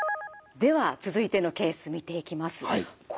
では続いてのケース見ていきます。